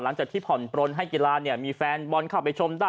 หลังจากที่ผ่อนปลนให้กีฬามีแฟนบอลเข้าไปชมได้